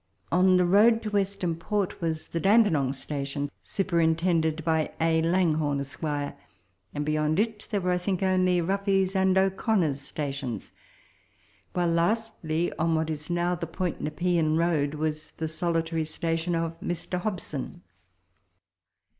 On the road to Western Port was the Dande nong Station, superintended by A. Langhorne, Esq., and beyond it there were, I think, only Ruffy's and O'Connor's stations, while lastly, on what is now the Point Nepean road, was the solitary station of Mr. Hobson.